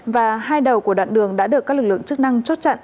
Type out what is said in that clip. và hai đầu của đoạn đường đã được các lực lượng chức năng chốt chặn